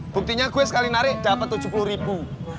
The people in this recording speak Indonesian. buktinya gue sekali nari dapet tujuh puluh ribu